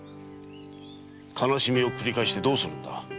悲しみを繰り返してどうするんだ。